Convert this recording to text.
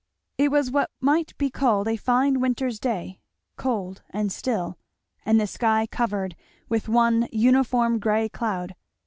It was what might be called a fine winter's day; cold and still, and the sky covered with one uniform grey cloud.